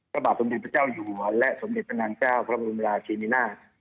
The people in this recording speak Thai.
กระบาดสมดุลพระเจ้าอยวาและสมดุลพระนางเจ้าพระบุญราชินินา